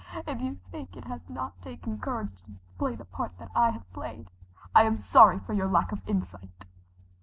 If you think it has not taken courage to play the part I have played, I am sorry for your lack of insight."